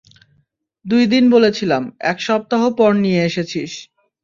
দুইদিন বলেছিলাম, এক সপ্তাহ পর নিয়ে এসেছিস।